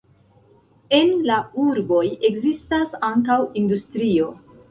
En la urboj ekzistas ankaŭ industrio.